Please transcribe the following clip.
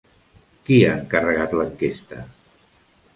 Qui ha encarregat l'enquesta?